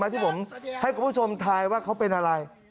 ที่ผมให้คุณผู้ชมทายว่าเขาเป็นอะไร